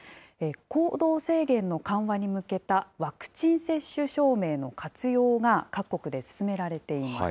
行動制限の緩和に向けたワクチン接種証明の活用が、各国で進められています。